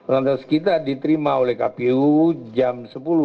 lantas kita diterima oleh kpu jam sepuluh dua puluh